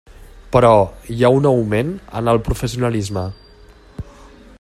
Però, hi ha un augment en el professionalisme.